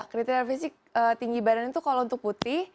kriteria fisik tinggi badan itu kalau untuk putih